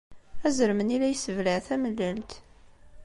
Azrem-nni la yesseblaɛ tamellalt.